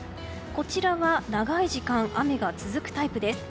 こちらは長い時間雨が続くタイプです。